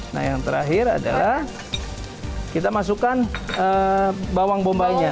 nah yang terakhir adalah kita masukkan bawang bombay nya